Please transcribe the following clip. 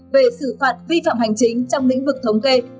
về xử phạt vi phạm hành chính trong lĩnh vực thống kê